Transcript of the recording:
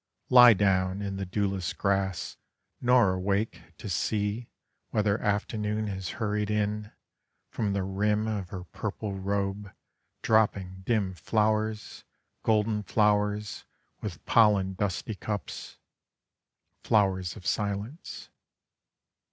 Lie down in the dewless grass nor awake To see whether afternoon has hurried in From the rim of her purple robe dropping dim flowers Golden flowers with pollen dusty cups, Flowers of silence.